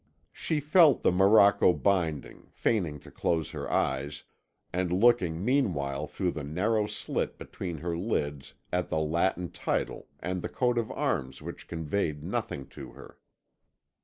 She felt the morocco binding, feigning to close her eyes, and looking meanwhile through the narrow slit between her lids at the Latin title and the coat of arms which conveyed nothing to her.